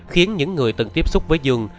khiến những người từng tiếp xúc với dương